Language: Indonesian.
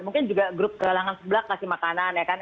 mungkin juga grup galangan sebelah kasih makanan ya kan